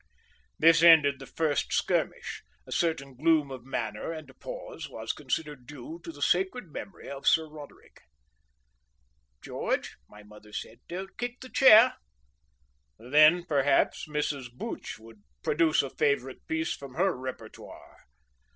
This ended the first skirmish. A certain gloom of manner and a pause was considered due to the sacred memory of Sir Roderick. "George," said my mother, "don't kick the chair!" Then, perhaps, Mrs. Booch would produce a favourite piece from her repertoire.